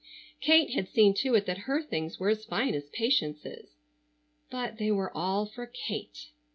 Kate had seen to it that her things were as fine as Patience's,—but, they were all for Kate!